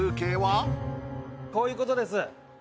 こういうことです。